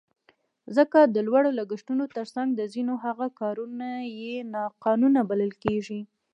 ځکه د لوړو لګښتونو تر څنګ د ځینو هغو کارونه یې ناقانونه بلل کېږي.